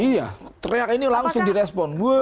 iya teriak ini langsung direspon